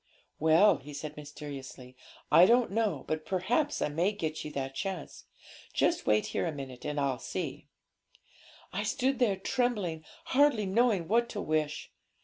'"Well," he said mysteriously, "I don't know, but perhaps I may get you that chance; just wait here a minute, and I'll see." 'I stood there trembling, hardly knowing what to wish.